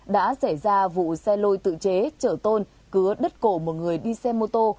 đã xảy ra vụ xe lôi tự chế trở tôn cứa đất cổ một người đi xe mô tô